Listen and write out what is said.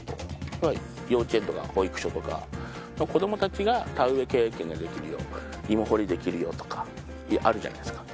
つまり、幼稚園とか保育所とか子供たちが田植え経験ができるよ芋掘りできるよとかあるじゃないですか。